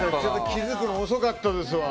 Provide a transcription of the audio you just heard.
気づくの遅かったですわ。